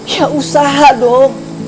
ya usaha dong